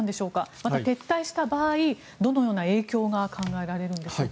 また、撤退した場合どのような影響が考えられるんでしょうか。